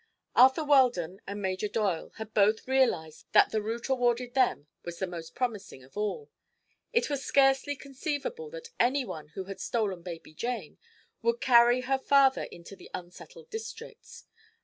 Arthur Weldon and Major Doyle had both realized that the route awarded them was the most promising of all. It was scarcely conceivable that anyone who had stolen baby Jane would carry her farther into the unsettled districts.